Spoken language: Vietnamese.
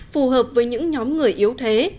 phù hợp với những nhóm người yếu thế